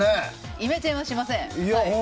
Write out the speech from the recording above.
イメチェンはしません。